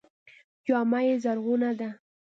جامه یې زرغونه ده.